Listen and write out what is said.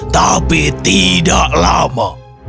tapi tidak lama